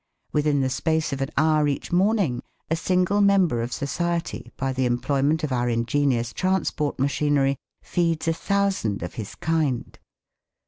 Within the space of an hour each morning, a single member of society by the employment of our ingenious transport machinery feeds a thousand of his kind.